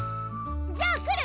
じゃあ来る？